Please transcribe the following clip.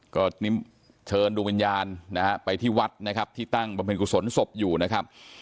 ก็เชิญดูวิญญาณไปที่วัดนะครับที่ตั้งประเภทขุดสนสบอยู่นะครับ